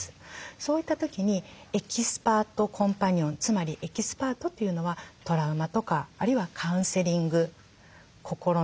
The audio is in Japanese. そういった時にエキスパートコンパニオンつまりエキスパートというのはトラウマとかあるいはカウンセリング心の。